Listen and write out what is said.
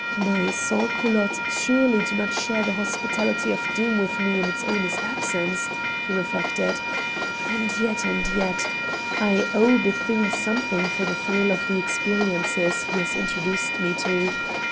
"My sans culottes surely do not share the hospitality of Doom with me in its owner's absence," he reflected. "And yet, and yet ! I owe Bethune something for the thrill of the experiences he has introduced me to.